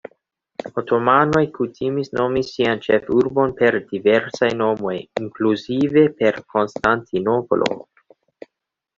Otomanoj kutimis nomi sian ĉefurbon per diversaj nomoj, inkluzive per Konstantinopolo.